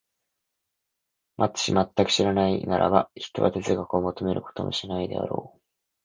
もし全く知らないならば、ひとは哲学を求めることもしないであろう。